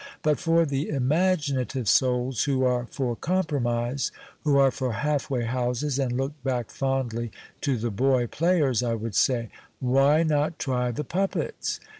But for the imaginative souls who arc for compromise, who are for halfway houses and look back fondly to the boy j^laycrs, I would say : Why not try the puppets